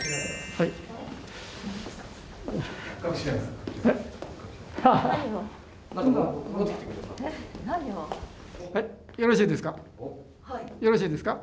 はいよろしいですか？